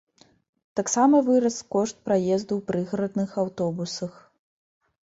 Таксама вырас кошт праезду ў прыгарадных аўтобусах.